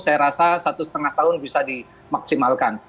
saya rasa satu setengah tahun bisa dimaksimalkan